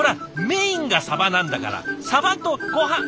メインがサバなんだからサバとごはん。